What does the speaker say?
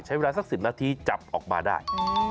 ใช้เวลาสัก๑๐นาทีจับออกมาได้